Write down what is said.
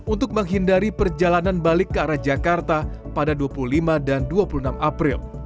untuk menghindari perjalanan balik ke arah jakarta pada dua puluh lima dan dua puluh enam april